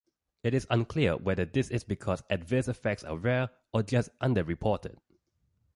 It is unclear whether this is because adverse effects are rare, or just underreported.